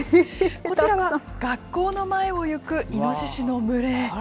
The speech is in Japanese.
こちらは学校の前を行くイノシシの群れ。